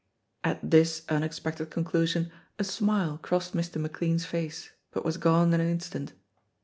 At this unexpected conclusion a smile crossed Mr. McLean's face, but was gone in an instant.